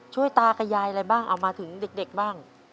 ตากับยายอะไรบ้างเอามาถึงเด็กบ้าง